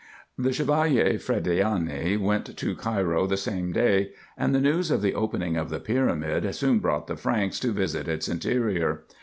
The Chevalier Frediani went to Cairo the same day, and the news of the opening of the pyramid soon brought the Franks to visit its interior.